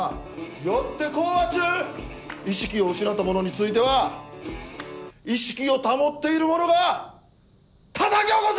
よって講話中意識を失った者については意識を保っている者がたたき起こせ！